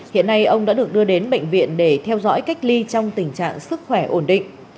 hiện nay ông đã được đưa đến bệnh viện để theo dõi cách ly trong tình trạng sức khỏe ổn định